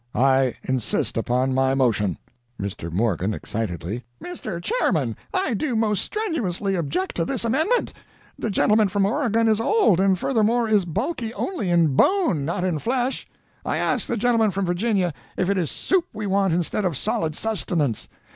I insist upon my motion.' "MR. MORGAN (excitedly): 'Mr. Chairman I do most strenuously object to this amendment. The gentleman from Oregon is old, and furthermore is bulky only in bone not in flesh. I ask the gentleman from Virginia if it is soup we want instead of solid sustenance?